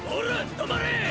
止まれ！